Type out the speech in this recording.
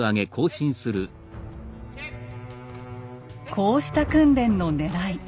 こうした訓練のねらい。